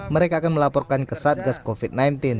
mereka akan melaporkan ke satgas covid sembilan belas